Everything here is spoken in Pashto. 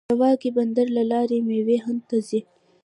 د واګې بندر له لارې میوې هند ته ځي.